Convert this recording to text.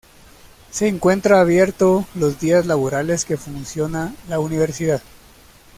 Se encuentra abierto los días laborables que funciona la universidad.